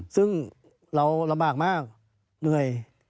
ซึ่งเราลำบากมากเหนื่อย